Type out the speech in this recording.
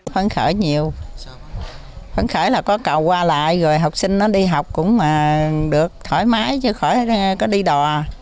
phấn khởi nhiều phấn khởi là có cầu qua lại rồi học sinh nó đi học cũng được thoải mái chứ có đi đò